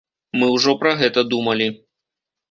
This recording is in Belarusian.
Мы ўжо пра гэта думалі.